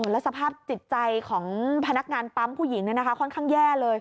แล้วสภาพจิตใจของพนักงานปั๊มผู้หญิงค่อนข้างแย่เลย